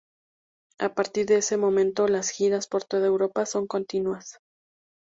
A partir de este momento, las giras por toda Europa son continuas.